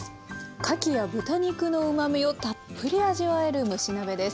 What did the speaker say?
かきや豚肉のうまみをたっぷり味わえる蒸し鍋です。